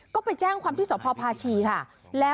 ก็ไปแจ้งความที่สพพาชีค่ะ